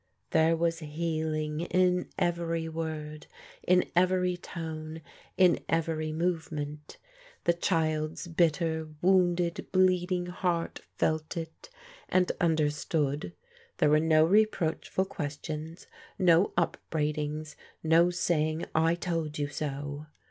There ^ as healing in every word, in every tone, in every movement The child's bitter, wounded, bleeding heart felt it, and understood. There were no reproach ful questions, no upbraidings, no saying, '* I told you so."